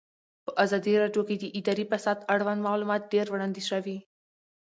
په ازادي راډیو کې د اداري فساد اړوند معلومات ډېر وړاندې شوي.